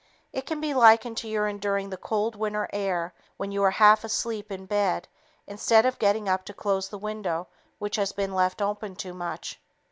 It can be likened to your enduring the cold winter air when you are half asleep in bed instead of getting up to close the window which has been left open too much.